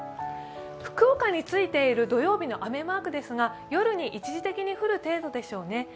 福岡についている土曜日の雨マークですが夜に一時的に降る程度でしょうね。